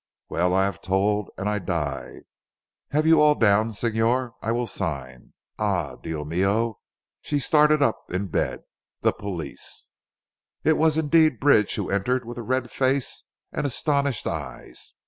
Well I have told and I die. Have you all down Signor. I will sign. Ah! Dio mio!" she started up in bed, "the police." It was indeed Bridge who entered with a red face and astonished eyes.